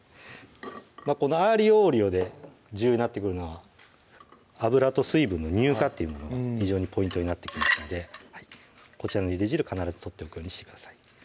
この「アーリオ・オーリオ」で重要になってくるのは油と水分の乳化っていうものが非常にポイントになってきますのでこちらのゆで汁必ず取っておくようにしてください